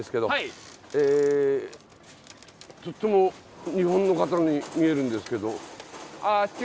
えとっても日本の方に見えるんですけど。